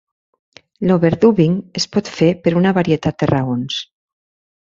L'overdubbing es pot fer per una varietat de raons.